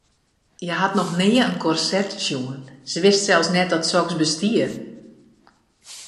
Hja hat noch nea in korset sjoen, se wist sels net dat soks bestie.